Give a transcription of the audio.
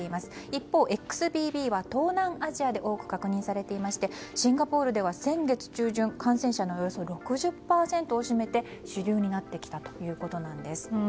一方、ＸＢＢは東南アジアで多く確認されていましてシンガポールでは先月中旬感染者のおよそ６０％を占めて主流になってきたということなんです。